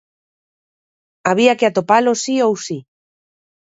Había que atopalo si ou si.